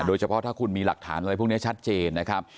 โดยเฉพาะถ้าคุณมีหลักฐานอะไรพวกนี้ชัดเจนนะครับ